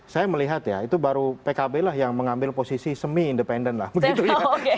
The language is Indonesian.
saya melihat ya itu baru pkb lah yang mengambil posisi semi independen lah begitu ya